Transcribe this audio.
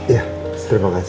ya terima kasih